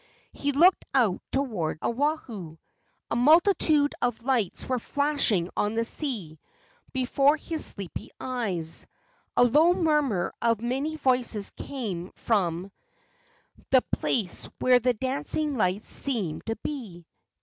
He looked out toward Oahu. A multitude of lights were flashing on the sea before his sleepy eyes. A low murmur of many voices came from the place where the dancing lights seemed to be.